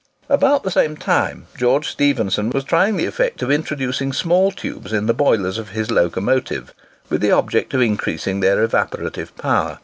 About the same time George Stephenson was trying the effect of introducing small tubes in the boilers of his locomotives, with the object of increasing their evaporative power.